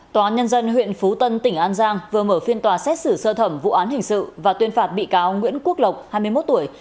tòa án nhân dân huyện phú tân tỉnh an giang vừa mở phiên tòa xét xử sơ thẩm vụ án hình sự và tuyên phạt bị cáo nguyễn quốc lộc hai mươi một tuổi